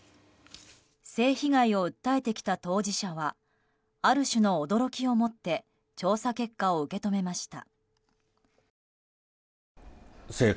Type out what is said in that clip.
性被害を訴えてきた当事者はある種の驚きを持って調査結果を受け止めました。